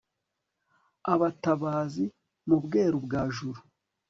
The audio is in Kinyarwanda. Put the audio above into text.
abatabazi mu Bweru bwa Juru